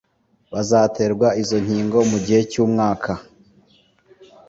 Bazaterwa izo nkingo mu gihe cy’umwaka